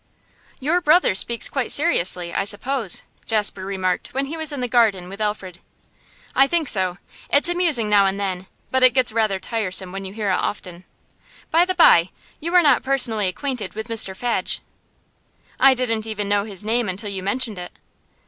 'Your brother speaks quite seriously, I suppose?' Jasper remarked when he was in the garden with Alfred. 'I think so. It's amusing now and then, but gets rather tiresome when you hear it often. By the bye, you are not personally acquainted with Mr Fadge?' 'I didn't even know his name until you mentioned it.